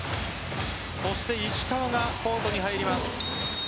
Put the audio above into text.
石川がコートに入ります。